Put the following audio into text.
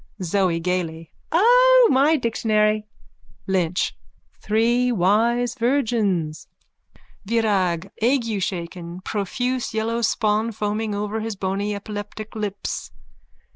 ZOE: (Gaily.) O, my dictionary. LYNCH: Three wise virgins. VIRAG: _(Agueshaken, profuse yellow spawn foaming over his bony epileptic lips.)